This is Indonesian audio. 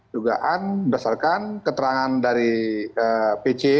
dugaan berdasarkan keterangan dari pc